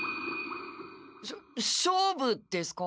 しょ勝負ですか？